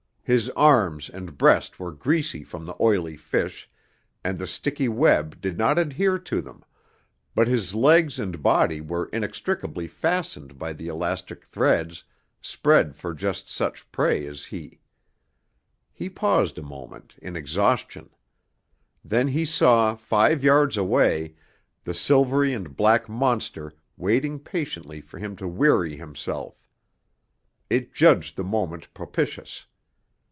His arms and breast were greasy from the oily fish, and the sticky web did not adhere to them, but his legs and body were inextricably fastened by the elastic threads spread for just such prey as he. He paused a moment, in exhaustion. Then he saw, five yards away, the silvery and black monster waiting patiently for him to weary himself. It judged the moment propitious.